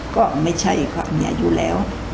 ก็ไม่ใช่ความมีอายุแล้ว